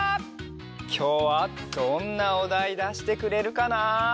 きょうはどんなおだいだしてくれるかな？